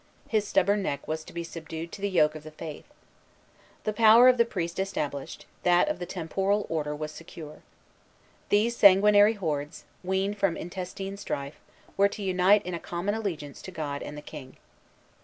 His stubborn neck was to be subdued to the "yoke of the Faith." The power of the priest established, that of the temporal ruler was secure. These sanguinary hordes, weaned from intestine strife, were to unite in a common allegiance to God and the King.